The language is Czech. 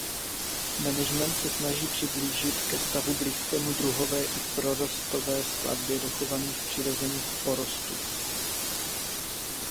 Management se snaží přiblížit ke stavu blízkému druhové i prostorové skladbě dochovaných přirozených porostů.